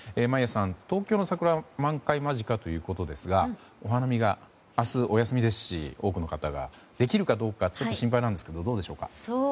東京の桜は満開間近ということですがお花見が明日、お休みですし多くの方が、できるかどうかちょっと心配なんですけどもどうでしょうか。